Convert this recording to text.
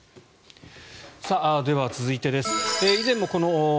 では、続いてです。